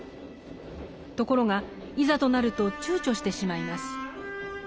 ところがいざとなると躊躇してしまいます。